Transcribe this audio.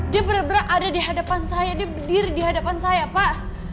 dia benar benar ada di hadapan saya dia berdiri di hadapan saya pak